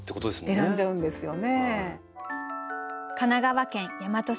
選んじゃうんですよね。